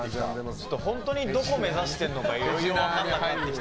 本当にどこを目指しているのかいよいよ分からなくなってきた。